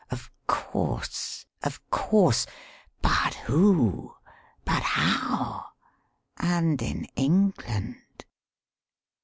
Of course! Of course! But who? But how? And in England?"